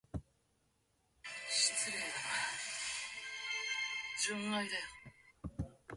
失礼だな、純愛だよ。